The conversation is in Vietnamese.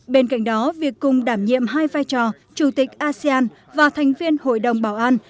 bên cạnh đó việc cùng đảm nhiệm hai vai trò chủ tịch asean và thành viên hội đồng bảo an